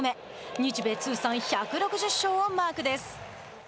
日米通算１６０勝をマークです。